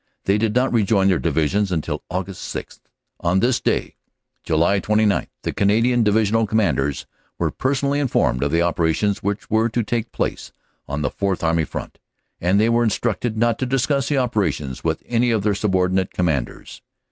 They did not rejoin their Divisions until Aug. 6. On this day, July 29, the Canadian Divisional Commanders were personally informed of the operations which were to take place on the Fourth Army Front, and they were instructed not to discuss the operations with any of their subordinate Commanders.